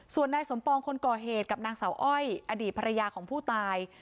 ส่วนนายสมปองคนก่อเหตุกับนางสาวอ้อยอดีตภรรยาของผู้ตาย